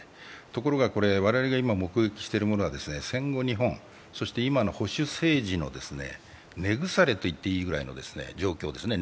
ところが、我々が今目撃しているものは戦後日本、そして今の保守政治の根腐れと言っていいほどの状況ですね。